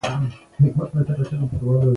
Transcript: ما د هغه پام را واړوه.